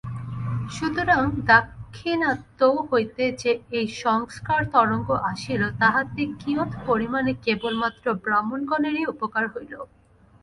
সুতরাং দাক্ষিণাত্য হইতে যে এই সংস্কার-তরঙ্গ আসিল, তাহাতে কিয়ৎপরিমাণে কেবলমাত্র ব্রাহ্মণগণেরই উপকার হইল।